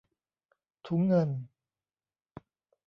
ถุงเงิน